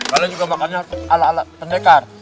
kalian juga makan ala ala pendekar